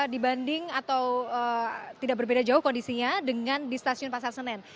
dibanding atau tidak berbeda jauh kondisinya dengan di stasiun pasar senen